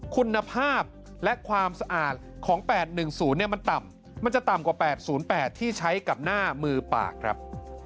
คุณภาพและความสะอาดของ๘๑๐มันต่ำมันจะต่ำกว่า๘๐๘ที่ใช้กับหน้ามือปากครับ